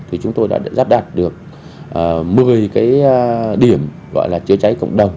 thì chúng tôi đã lắp đặt được một mươi cái điểm gọi là chữa cháy cộng đồng